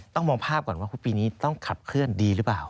มองภาพก่อนว่าปีนี้ต้องขับเคลื่อนดีหรือเปล่า